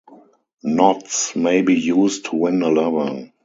Knots may be used to win a lover.